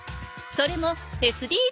それもＳＤＧｓ。